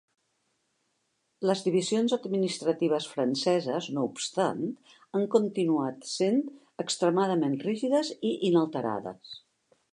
Les divisions administratives franceses, no obstant, han continuat sent extremadament rígides i inalterades.